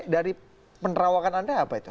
dari penerawakan anda apa itu